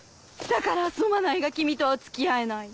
「だからすまないが君とは付き合えない」。